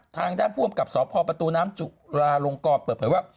ทางด้านผู้กำกับสพประตูน้ำจุลาลงกรเปิดเผยว่า